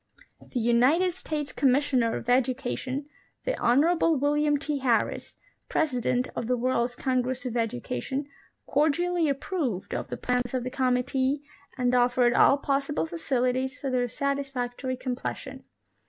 ■ The United States Commissioner of Education, the Honorable William T. Harris, President of the World's Congress of Educa tion, cordially approved of the plans of the committee and offered all possible facilities for their satisfactory completion.